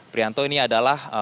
prianto ini adalah